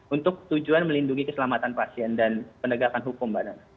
untuk tujuan melindungi keselamatan pasien dan penegakan hukum